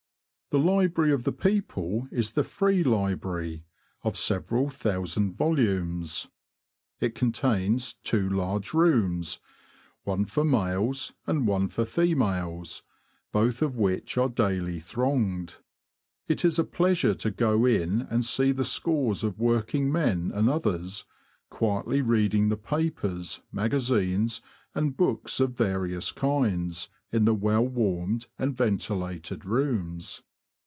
The library of the people is the Free Library, of several thousand volumes. It contains two large rooms, one for males and one for females, both of which are daily thronged. It is a pleasure to go in and see the scores of working men and others, quietly reading the papers, magazines, and books of various kinds, in the well warmed and ventilated rooms.